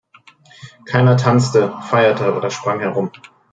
Keiner tanzte, feierte oder sprang herum.